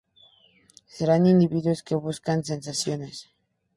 Serán individuos que buscan sensaciones.